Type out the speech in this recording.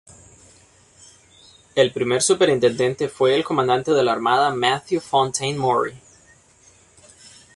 El primer superintendente fue el comandante de la armada Matthew Fontaine Maury.